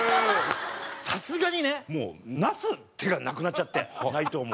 さすがにねもうなす手がなくなっちゃって内藤も。